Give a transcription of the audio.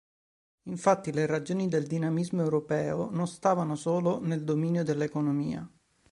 Infatti le ragioni del dinamismo europeo non stavano solo nel dominio dell'economia.